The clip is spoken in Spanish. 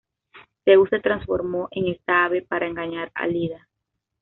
Zeus se transformó en esta ave para engañar a Leda.